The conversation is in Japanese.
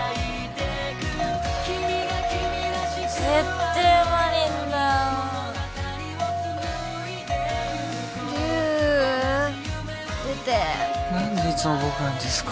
ってー真凛だよ龍出て何でいつも僕なんですか？